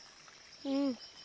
うん。